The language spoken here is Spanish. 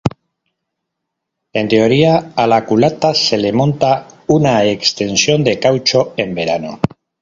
En teoría, a la culata se le monta una extensión de caucho en verano.